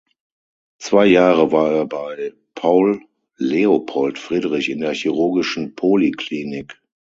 Zwei Jahre war er bei Paul Leopold Friedrich in der chirurgischen Poliklinik.